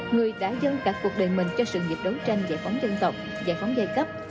người đã dân cả cuộc đời mình cho sự nghiệp đấu tranh giải phóng dân tộc giải phóng giai cấp